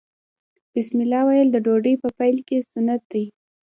بسم الله ویل د ډوډۍ په پیل کې سنت دي.